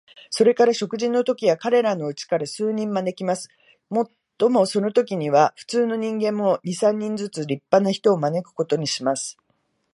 それから食事のときには、彼等のうちから数人招きます。もっともそのときには、普通の人間も、二三人ずつ立派な人を招くことにします。